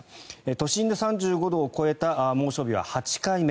都心で３５度を超えた猛暑日は８回目。